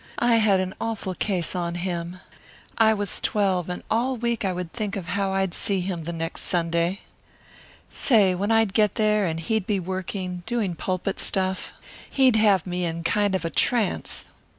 I had an awful case on him. I was twelve, and all week I used to think how I'd see him the next Sunday. Say, when I'd get there and he'd be working doing pulpit stuff he'd have me in kind of a trance.